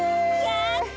やった！